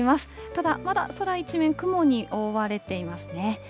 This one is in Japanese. ただ、まだ空一面、雲に覆われていますね。